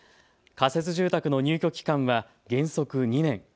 仮設住宅の入居期間は原則２年。